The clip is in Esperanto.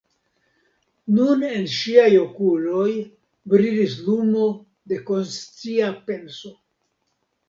Nun en ŝiaj okuloj brilis lumo de konscia penso.